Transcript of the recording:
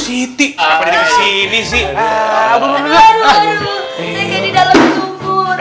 saya kayak di dalam sumur